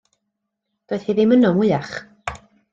Doedd hi ddim yno mwyach.